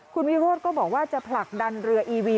คุณวิโรธก็บอกว่าจะผลักดันเรืออีวี